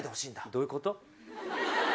どういうこと。